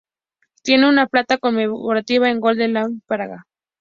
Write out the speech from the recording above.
Tiene una placa conmemorativa en Golden Lane, Praga.